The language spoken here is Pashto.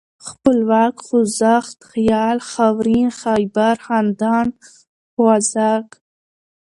خپلواک ، خوځښت ، خيال ، خاورين ، خيبر ، خندان ، خوازک